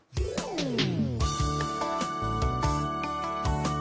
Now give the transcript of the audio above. うん。